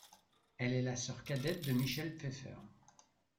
Elle est la sœur cadette de Michelle Pfeiffer.